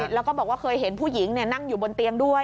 แล้วก็บอกว่าเคยเห็นผู้หญิงนั่งอยู่บนเตียงด้วย